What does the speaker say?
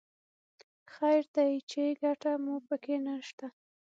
خیر دی چې ګټه مو په کې نه شته.